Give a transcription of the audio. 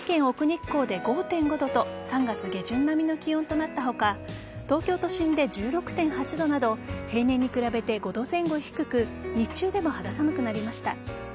日光で５．５度と３月下旬並みの気温となった他東京都心で１６．８度など平年に比べて５度前後低く日中でも肌寒くなりました。